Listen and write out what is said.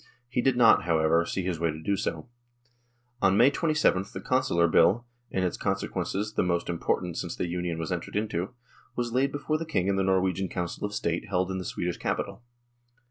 He did not, however, see his way to do so. On May 2?th the Consular Bill, in its consequences the most impor tant since the Union was entered into, was laid before the King in the Norwegian Council of State held in the Swedish capital.